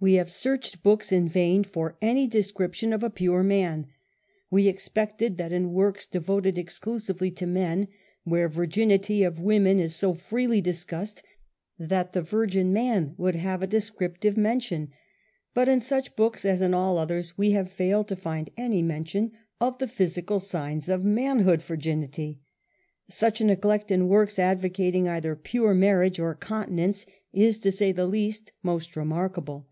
We have searclied books in vain for any descrip tion of a pure man. We expected that in works de voted exclusively to men, where the virginity of wo man is so freely discussed, that the virgin man would have a descriptive mention, but in such books as in all others, we have failed to find any mention of the physical signs of manhood virginity. Such a neglect in works advocating either pure marriage or continence , is, to say the least, most remarkable.